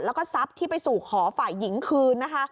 แล้วก็ทรัพย์ที่ไปสู่ขอฝ่ายหญิงคืนนะคะ